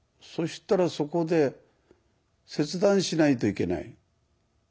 そうしたらそこで切断しないといけない。